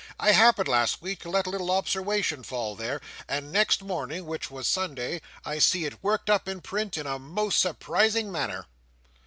I happened, last week, to let a little obserwation fall there, and next morning, which was Sunday, I see it worked up in print, in a most surprising manner."